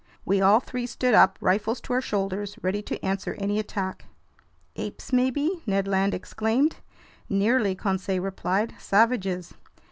We all three stood up, rifles to our shoulders, ready to answer any attack. "Apes maybe?" Ned Land exclaimed. "Nearly," Conseil replied. "Savages."